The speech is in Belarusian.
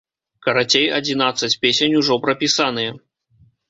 Карацей, адзінаццаць песень ужо прапісаныя.